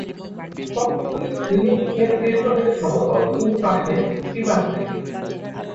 কক্ষগুলির সিলিং-এর পৃষ্ঠদেশ সমতল, কিন্তু পাশে পিপাকৃতির।